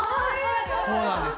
そうなんです。